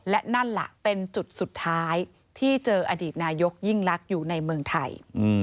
และนั่นล่ะเป็นจุดสุดท้ายที่เจออดีตนายกยิ่งลักษณ์อยู่ในเมืองไทย